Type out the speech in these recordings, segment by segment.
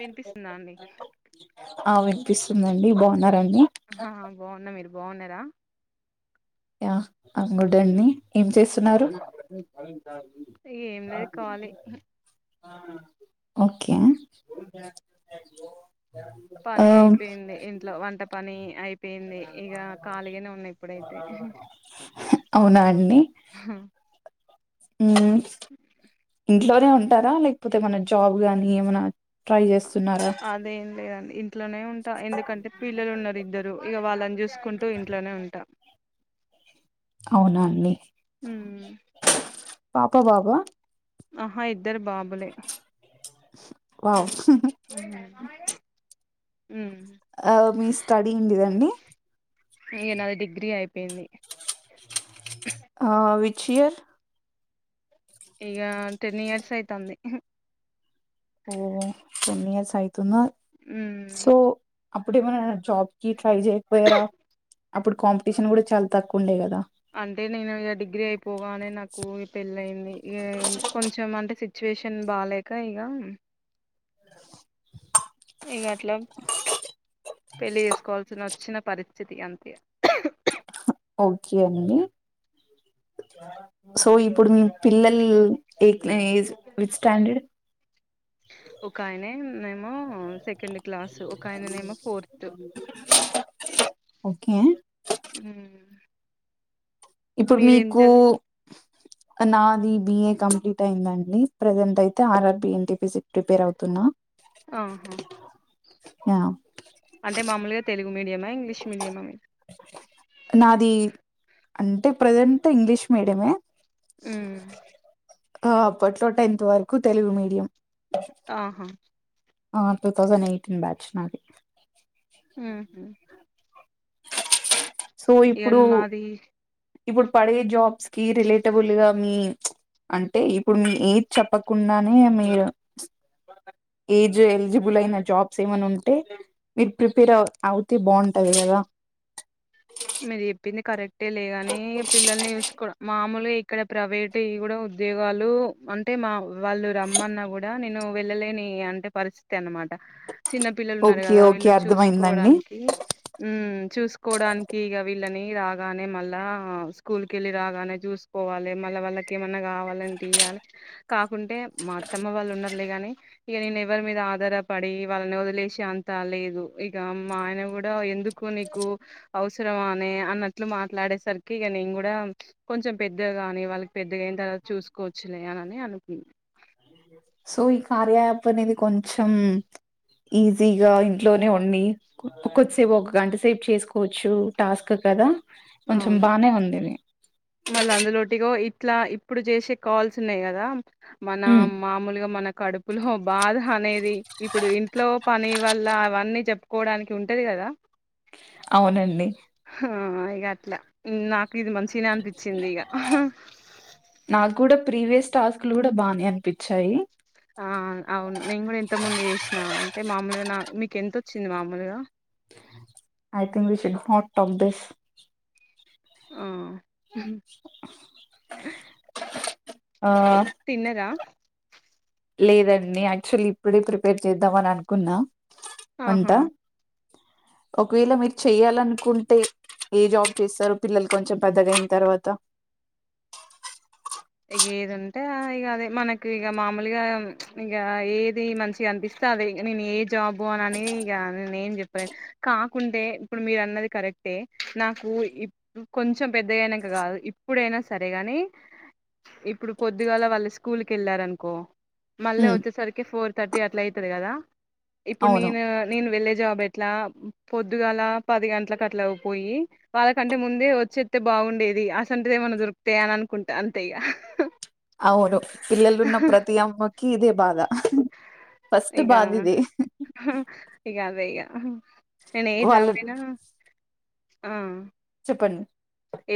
వినిపిస్తుందా అండి అవి నిపిస్తుందండి బాన్నారా అండి హా బాగున్న మీ రు బాగున్నారా యా ఐ యాం గుడ్ అండి ఏం చేస్తున్నారు ఏం లేదు కాలీ ఓకే ఆ పని అయిపోయింది ఇంట్లో వంట పని అయిపోయింది ఇగ ఖాళీగానే ఉన్నా ఇప్పుడైతే అవునా అండి ఉ ఇంటి లోనే ఉంటారా లేకపోతే ఏ మన జాబ్ గాని ఏమనా అదేం లేదండి ఇంట్లోనే ఉంటా ఎందుకంటే పిల్లలు ఉన్నరు ఇద్దరు ఇక వాళ్ళని చూసుకుంటూ ఇంట్లోనే ఉంటా అవునా అండి ఉమ్. పాప బాబా ఆహా ఇద్దరు బాబులే వావ్ ఉమ్. ఉమ్. ఆ మీ స్టడీ ఎంతిదండీ ఇగ నాది డిగ్రీ అయిపోయింది ఆ విచ్ ఇయర్ ఇగ టెన్ ఇయర్స్ అయితంది ఓ టెన్ ఇయర్స్ ఐ తుంద ఉమ్. సో అప్పుడే మన జాబ్కి ట్రై చేయకపోయారా అప్పుడు కాంపిటీషన్ కూడా చాలా తక్కువ ఉండే కదా అంటే నేను ఇగ డిగ్రీ అయి పోగానే నాకు పెళ్ళయింది ఏం కొంచెం అంటే సిచ్యువేషన్ బాలేక ఇగ ఇగ అట్లా పెళ్లి చేసుకోవాల్సిన వచ్చిన పరిస్థితి అంతిగా ఓకే అండి సో ఇప్పుడు మీ పిల్లలు ఎ జ్ విచ్ స్టాండడ్ ఒకాయనే సెకండ్ క్లాస్ ఒక ఆయననేమో ఫోర్త్ ఓకే ఇప్పుడు మీరేం మీకు చదువుకు నాది బిఏ కంప్లీట్ అయిందండి ప్రెజెంట్ అయితే ఆర్ ఆర్ బి ఎన్టీపీసీ కి ప్రిపేర్ అవుతున్నా ఆహా అ అంటే మామూలుగా తెలుగు మీడియం ఆ ఇంగ్లీష్ మీడియమా నాది అంటే ప్రజెంట్ ఇంగ్లీష్ మీడియమే స ఆ అప్పట్లో టెన్త్ వరకు తెలుగు మీడియం ఆహా ఆ టూ తౌసండ్ ఎయిటీన్ బ్యాచ్ నాది హ హ సో ఎన్ ఇప్పుడు మాదీ. ఇప్పుడు పడే జాబ్స్ కీ రిలేటబుల్గా మీ ప్చ్ అంటే ఇప్పుడు మీ ఏజ్ చెప్పకుండానే మీరు, ప్చ్ ఏజ్ ఎలిజిబుల్ అయిన జాబ్స్ ఏమన్న ఉంటే, మీరు ప్రిపేర్ అవ్ అవుతే బాగుంటది గదా. మీరు చెప్పింది కరెక్ట్. టేలే గానీ ఇగ పిల్లల్ని చూసుకోవడం మామూల్ ఇక్కడ ప్రైవేటియి గూడా ఉద్యోగాలూ, అంటే మా వాళ్ళు రమ్మన్నా గూడా, నేను వెళ్ళలేనీ అంటే పరిస్థితి అన్నమాట. చిన్న పిల్లలు ఉన్నారు ఓకే గదా ఓకే వీళ్ళు అర్థమైందండి. చూసుకోవడానికీ. ఉమ్ చూసుకోవడాన్ వీళ్ళనీ రాగానే మళ్ళా స్కూల్ కెళ్ళి రాగానే చూసుకోవాలె మళ్ళ వాళ్ళకి ఏమన్నా కావాలంటియ్యాలె. కాకుంటే మా అత్తమ్మ వాళ్ళు ఉన్నరులే గానీ, ఇగ నేను ఎవరి మీద ఆధారపడీ వాళ్ళని వదిలేశె అంతా లేదు. ఇగా మా ఆయన గూడా ఎందుకు నీకూ. అవసరమానే అన్నట్లు మాట్లాడేసరికి ఇగ నేన్ గూడా, కొంచెం పెద్దగాని వాళ్ళకి పెద్దగైన్ తర్వాత చూసుకోవచ్చులే అని అనుకున్న. సో ఈ కార్య యాప్ అనేది కొంచెం, ఈజీగా ఇంట్లోనే ఉండీ, కొద్దిసేపు ఒక గంట సేపు చేసుకోవచ్చూ టాస్క్ కదా. కొంచెం బానే ఉంది ఇది మళ్ళ అందులోటిగో ఇట్లా ఇప్పుడు జేసే కాల్స్ ఉన్నయి కదా. మనా హ్మ్ మామూలుగ మన కడుపులో బాధ అనేదీ. ఇప్పుడు ఇంట్లో పనీ వల్లా అవన్నీ చెప్పుకోవడానికి ఉంటది కదా. అవునండి. ఇగ అట్లా న్నాక్ ఇది మంచిగనే అనిపి చింది ఇగా. నాకు కూడా ప్రీవియస్ టాస్క్ లు కూడా బానే అనిపిచ్చాయీ. ఆ అవును నేను కూడా ఇంతక్ ముందు చేశినా అంటే మాములుగా నా మీక్ ఎంతొచ్చింది మాములుగా. I think was it hot of this ఆ ఆ తిన్నరా. లేదండి యాక్చువల్లీ ఇప్పుడే ప్రిపేర్ చేద్దాం అని అనుకున్నా. వంట. ఆహా. ఒకవేళ మీర్ చెయ్యాలనుకుంటే ఏ జాబ్ చేస్తారు పిల్లలు కొంచెం పెద్దగయిన్ తర్వాత. ఇగ ఏదుంటే ఆ ఇగ అదే. మనకు ఇగ మామూలుగా ఇగా ఏదీ మంచిగ అనిపిస్తే అదే. నేన్ ఏ జాబు అని అనీ ఇగా న నేన్ చెప్పలేన్. కాకుంటే ఇప్పుడు మీరు అన్నది కరెక్టే, నాకూ ఇప్పు కొంచెం పెద్దగయినంక గాదు ఇప్పుడైనా సరేగానీ. ఇప్పుడు పొద్దుగాల వాళ్ళు స్కూల్కి ఎళ్ళారనుకో, మళ్ళా హ్మ్ వచ్చేసరికే ఫోర్ థర్టీ అట్లా అయితది కదా. ఇప్పుడు అవును. నేనూ నేను వెళ్లే జాబ్ ఎట్లా, పొద్దుగాలా పది గంటలకట్లా పోయ్యీ, వాళ్ళకంటే ముందే వచ్చే త్తే బాగుండేది, అసంటిది ఏమన్న దొరుకుతే అని అనుకుంటా. అం తే ఇగా. అవును పిల్లలున్న ప్రతీ అమ్మక్ కీ ఇదే బాధ. ఫస్ట్ ఇగా, బాధ ఇదే ఇగ అదే ఇగ అహా నేన్ ఏ వాళ్ళ జాబ్ ఐనా ఆ పడింది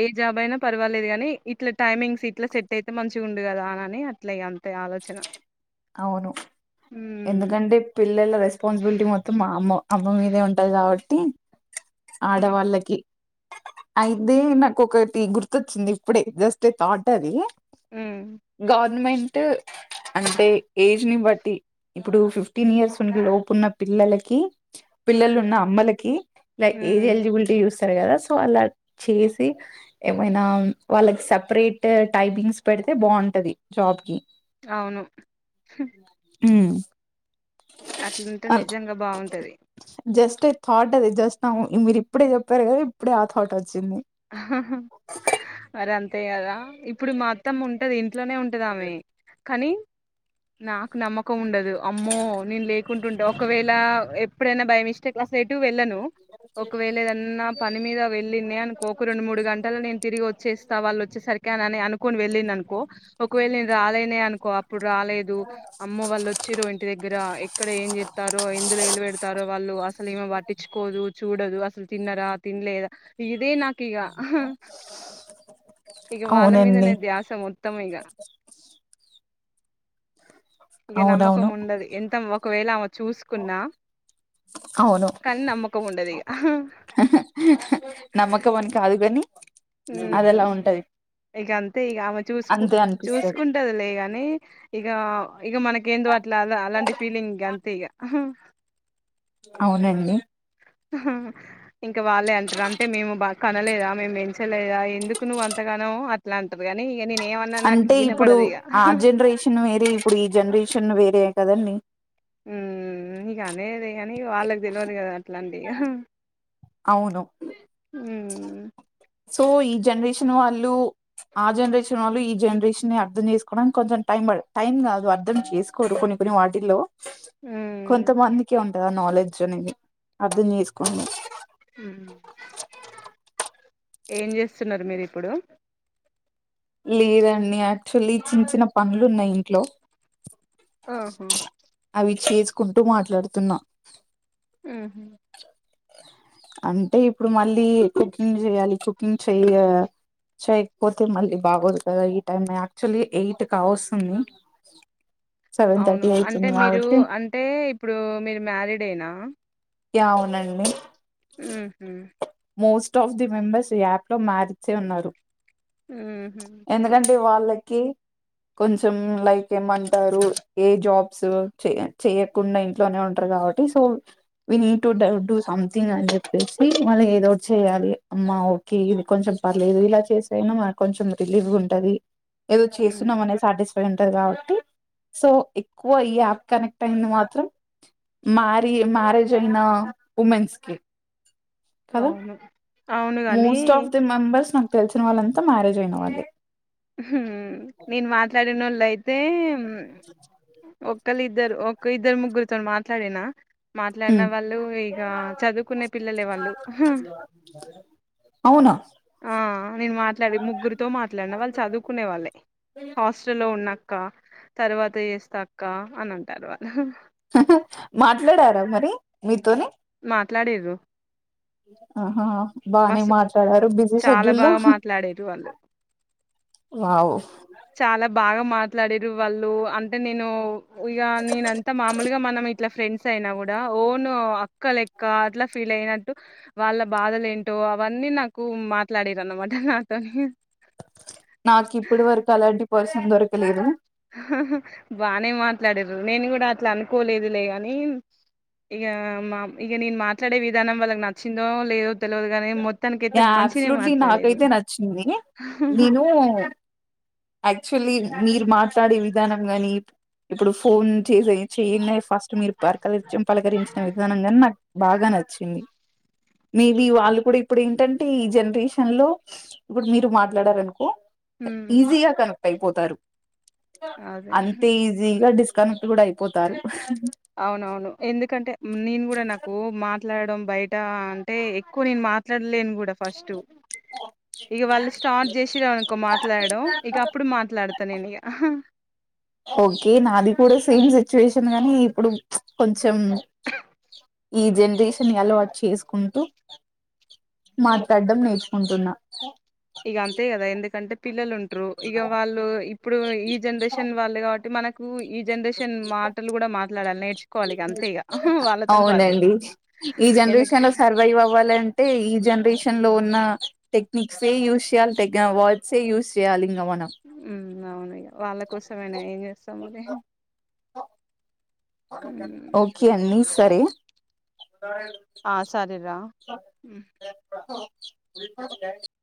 ఏ జాబ్ అయినా పర్వాలేదు గాని ఇట్ల టైమింగ్స్ ఇట్లా సెట్ అయితే మంచిగా ఉండడు కదా అని అని అట్లా ఇగ ఆలోచన అవును హ్మ్ ఎందుకంటే పిల్లల రెస్పాన్సిబిలిటీ మొత్తం మా అమ్మ అమ్మ మీదే ఉంటుంది కాబ టి ఆ ఆడవాళ్ళకి అయితే నాకు ఒకటి గుర్తొచ్చింది ఇప్పుడే జస్ట్ థాటే అది ఉ మెంటు అంటే ఏజ్ ని బట్టి ఇప్పుడు ఫిఫ్టీన్ ఇయర్స్ లోపున్న పిల్లలకి పిల్లలు ఉన్న అమ్మలకి ఏది హ్మ్ ఎలిజిబిలిటీ చూస్ ఉంటారు కదా సో అలా చేసి ఏమైనా వాళ్ళకి సపరేట్ టైపింగ్స్ పెడితే బాగుంటది జాబ్ కి అవును ఉ అట్లుంటే నిజంగా బాగుంటది జస్ట్ ఏ థాట్ అది జస్ట్ నౌ మీరు ఇప్పుడే చెప్పారు కదా ఇప్పుడే ఆ థాట్ వ మర అం అంతే కదా ఇప్పుడు మా అత్తమ్మ ఉంటది ఇ ఇంట్లోనే ఉంటదామే కానీ నాకు నమ్మకం ఉండదు అమ్మో నేను లేకుంటుంటె ఒకవేళ ఎప్పుడైనా బై మిస్టేక్ అసలు ఎటు వెళ్ళను ఒకవేళ ఏదన్నా పని మీద వెళ్ళింది అనుకో రెండుమూడు గంటలలో నేను తిరిగొ చేస్తా వాళ్ళు వచ్చేసరికి అని అనుకోని వెళ్ళింది అనుకో ఒకేళ నేను రాలేనే అనుకో అప్పుడు రాలేదు అమ్మ వాళ్ళు వచ్చిరు ఇంటి దగ్గర ఎక్కడ ఏం చేత్తారో ఎందులో వేలు పెడతారో వాళ్ళు అసలు ఈమె పట్టించుకోదు చూడదు అసలు తిన్నరా తినలేదా ఇది నా ఇగ ఇగ వాళ్ళ మీదనే అవునండి ధ్యాస మొత్తం ఇగ ఇక నమ్మకం అవునవును ఉండదు ఎంత ఒకవేలా అవును కానీ నమ్మకం ఉండదు ఇగ నమ్మకం అని కాదు గని అది ఎలా ఉంటది ఇక అంతే ఇక ఆమె చూసుకు అంతే అనిపిస్తది చూసుకుంటది లేగాని ఇక ఇక మనక ఏందో అట్లా అలాంటి ఫీలింగ్ ఇక అంతే ఇక హా అవునండి ఉహు ఇంకా వాళ్ళే అంటారు అంటే మేము బా కనలేదా మేము పెంచలేదా ఎందుకు నువ్వు అంతగానం అట్లా అంటారు గాని అంటే ఇప్పుడు ఆ జనరేషన్ వేరే ఇప్పుడు ఈ జనరేషన్లు వేరే కదండి ఉ ఇగా అనేదే కానీ వాళ్ళకి తెలియదు కదా అట్లాంటి ఇగ అవును ఉమ్ సో ఈ జనరేషన్ వాళ్ళు ఆ జనరేషన్ వాళ్ళు ఈ జనరేషన్ అర్థం చేసుకోవడానికి కొంచెం టైం పడు టైం కాదు అర్థం చేసుకోరు కొన్ని కొన్ని వాటిల్లో ఉమ్ కొంతమందికి ఉంటందా నాలెడ్జ్ కూచొని అర్ధం చేసుకోండి ఉమ్ ఏం చేస్తున్నారు మీరు ఇప్పుడు లేదండి యాక్చువల్లీ చిన్న చిన్న పనులు ఉన్నాయి ఇంట్లో ఆహా కుంటూ మాట్లాడుతున్నా ఉహ్ అంటే ఇప్పుడు మళ్ళీ కుకింగ్ జేయాలి కుకింగ్ చేయ చేయకపోతే మళ్ళీ బాగోదు కదా ఈ టైమ్ యాక్చువల్లీ ఎయిట్ కావస్తుంది సెవెన్ థర్టీ అవును అంటే అవుతుంది మీరు కాబట్టి అంటే ఇప్పుడు మీరు మ్యారీడ్ ఏనా యా అవునండి ఉ హు మోస్ట్ ఆఫ్ ది మెంబర్స్ ఈ యాప్ లో మారిచే ఉన్నారు ఉహు ఎందుకంటే వాళ్ళక్ కే కొంచెం లైక్ ఏమంటారు ఏ జాబ్స్ చెయ చేయకుండా ఇంట్లోనే ఉంటారు కాబట్టి so we need to do to something అని చెప్పేసి మళ్ళీ ఏ లోడ్ చేయాలి అమ్మా ఓకే ఇది కొంచెం పర్లేదు ఇలా చేసే అయినా మ కొంచెం రిలీఫ్గా ఉంటది ఏదో ఉమ్ చేస్తున్నాం అనే సాటిస్ఫై ఒళ్ళంతా కాబట్టి సో ఎక్కువ ఈ యాప్ కనెక్ట్ అయింది మాత్రం మ్యారి మ్యారేజ్ అయిన ఉమెన్స్ కి కదా అవును అవును గాని మోస్ట్ ఆఫ్ ది మెంబర్స్ నా తెలిసిన వాళ్ళంతా మ్యారేజ్ అయిన వాళ్లే హు నిను మాట్లాడినోళ్లు అయి తేమ్ ఒక్కలు ఇద్దరు ఒక ఇద్దరు ముగ్గురితో మాట్లాడేనా మాట్లాడిన ఉమ్, వాళ్ళు ఇగ చదువుకునే పిల్లలే వాళ్ళు హ అవునా ఆ నేను మాట్లాడే ముగ్గురితో మాట్లాడిన వాళ్ళు చదువుకునే వాళ్ళే హాస్టల్లో ఉన్న అక్క తర్వాత ఏస్త అక్క అని అంటారు వాళ్ళు అహ మాట్లాడారా మరి మీతోని మాట్లాడిరు ఆహా బానే మాట్లాడారు బిజీ చాలా షెడ్యూల్ లో బాగా మాట్లాడిర్రు వాళ్ళు వావు చాలా బాగా మాట్లాడిరు వాళ్ళు అంటే నేను ఇగ నేనంతా మామూలుగా మనం ఇట్లా ఫ్రెండ్స్ అయినా కూడా ఓను అక్క లెక్క అట్లా ఫీల్ అయినట్టు వాళ్ళ బాధలు ఏంటో అవన్నీ నాకు మాట్లాడిన మాట నాతోని నాకు ఇప్పుడు వరకు అలాంటి పర్స దొరకలేదు బానే మాట్లాడరు నేను కూడా అట్లా అనుకోలేదులే ని ఇక మా ఇక నేను మాట్లాడే విధానం వాళ్ళకి నచ్చిందో లేదో తెలియదు కాని మొం అబ్సలూట్లీ నాకైతే నచ్చింది నేను యాక్చుల్లీ మీరు మాట్లాడే విధానం గాని ఇప్పుడు ఫోన్ చేసే చెయ్యంగానే ఫస్ట్ మీరు పక పలకరించిన విధానంగానీ నాకు బాగా నచ్చింది మేబి వాళ్ళు కూడా ఇప్పుడు ఏంటంటే ఈ జనరేషన్ లో ఇప్పుడు మీరు మాట్లాడారనుకో హ్మ్. ఈజీగా తను పైపోతారు అదే. అంతే ఈజీగా డిస్ కనెక్ట్ కూడా అయిపోతాది అవునవును ఎందుకంటే నేను కూడా నాకు మా మాట్లాడడం బయట అంటే ఎక్కువ నేను మాట్లాడలేను కూడా ఫస్ట్ ఇక వాళ్ళు స్టార్ట్ చేసారునుకో మాట్లాడడం ఇక అప్పుడు మాట్లాడుత తననిగా ఓకే నాది కూడా సేమ్ సిచువేషన్ వచ్చింది కానీ ఇప్పుడు కొంచెం ఈ జనరేషన్ అలవాటు చేసుకుంటూ మాట్లాడడం నేర్చుకుంటున్నా ఇక అంతే కదా ఎందుకంటే పిల్లుం ట్రూ ఇక వాళ్ళు ఇప్పుడు ఈ జనరేషన్ వాళ్ళు కాబట్టి మనకు కు ఇ జనరేషన్ మాటలు కూడా మాట్లాడాలి నేర్చుకోవాలి ఇగ అంతే ఇక వాళ్ళతోని పాటు అవునండి ఎందుకే అంటే ఈ జనరేషన్ లో ఉన్న టెక్నిక్స్ ఏ యూజ్ చేయాలి వర్డ్స్ యూస్ చేయాలి నవాన అవనిగ వాళ్ళ కోసమనా ఏం చేస్తాం మరి ఉమ్. ఓకే అన్నిస్ సరే ఆ సరేరా బకు [unintelligible]